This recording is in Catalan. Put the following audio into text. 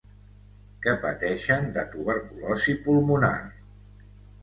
Que pateixen de tuberculosi pulmonar.